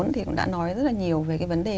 thì cũng đã nói rất là nhiều về cái vấn đề